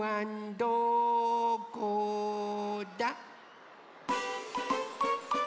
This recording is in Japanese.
どこだ？